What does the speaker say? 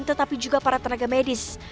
tetapi juga para tenaga medis